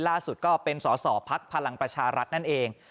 ล่าสุดก็เป็นสอสอภักดิ์พลังประชารัฐนั่นเอง